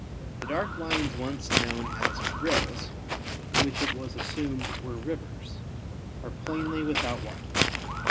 The dark lines once known as "rills," which it was assumed were rivers, are plainly without water.